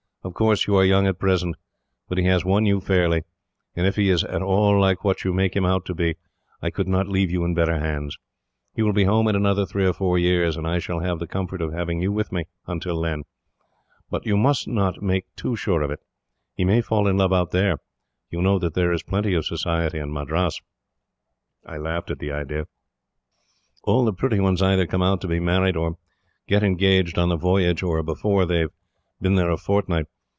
'Of course, you are young at present, but he has won you fairly; and if he is at all like what you make him out to be, I could not leave you in better hands. He will be home in another three or four years, and I shall have the comfort of having you with me, until then. But you must not make too sure of it. He may fall in love out there. You know that there is plenty of society at Madras.' "I laughed at the idea. "'All the pretty ones either come out to be married, or get engaged on the voyage, or before they have been there a fortnight.